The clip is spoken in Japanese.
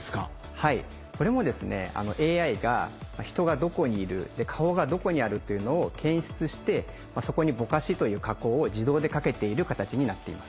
はいこれもＡＩが人がどこにいる顔がどこにあるっていうのを検出してそこにぼかしという加工を自動でかけている形になっています。